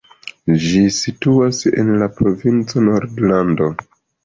Ĝi situas en la provinco Nordland.